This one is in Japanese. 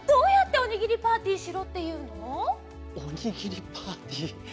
おにぎりパーティーいやいや。